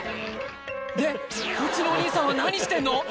でこっちのお兄さんは何してるの？